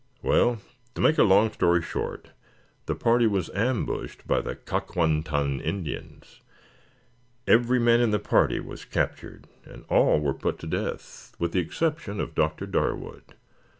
Well, to make a long story short, the party was ambushed by the Kak wan tan Indians. Every man of the party was captured and all were put to death, with the exception of Dr. Darwood.